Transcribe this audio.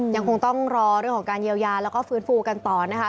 ยังคงต้องรอเรื่องของการเยียวยาแล้วก็ฟื้นฟูกันต่อนะคะ